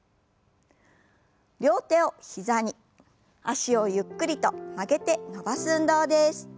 両手を膝に脚をゆっくりと曲げて伸ばす運動です。